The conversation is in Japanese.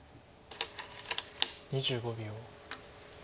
２５秒。